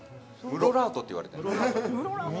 ムロラートって言われてるんです。